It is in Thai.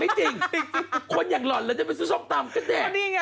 ไม่จริงคนอย่างร้อนเราก็จะไปซื้อส้มตำกันเนี่ย